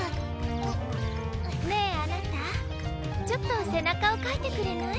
ねえあなたちょっとせなかをかいてくれない？